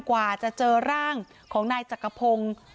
กว่าจะเจอร่างของนายจักรพงศ์